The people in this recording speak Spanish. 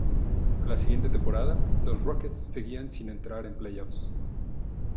A la siguiente temporada, los Rockets seguían sin entrar en playoffs.